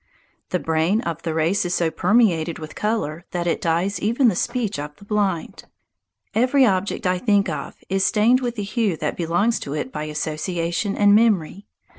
The brain of the race is so permeated with colour that it dyes even the speech of the blind. Every object I think of is stained with the hue that belongs to it by association and memory.